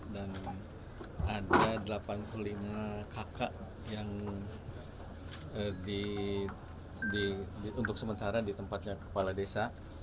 dan ada delapan puluh lima kakak yang untuk sementara di tempatnya kepala desa